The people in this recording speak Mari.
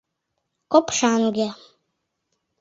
— Копшаҥге.